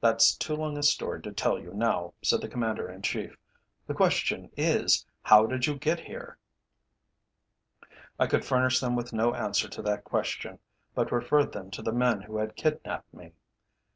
"That's too long a story to tell you now," said the Commander in Chief. "The question is, how did you get here?" I could furnish them with no answer to that question, but referred them to the men who had kidnapped me.